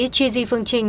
chi di phương trinh